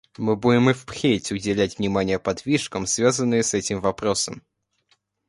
Мы будем и впредь уделять внимание подвижкам, связанным с этим вопросом.